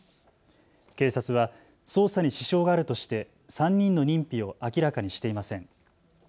警察は捜査に支障があるとして３人の認否を明らかにしていません。